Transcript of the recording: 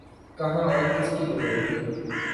کہاں اور کس کی لبرٹی؟